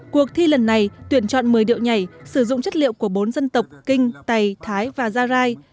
cuộc thi lần này tuyển chọn một mươi điệu nhảy sử dụng chất liệu của bốn dân tộc kinh tày thái và gia rai